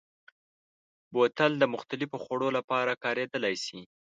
بوتل د مختلفو خوړو لپاره کارېدلی شي.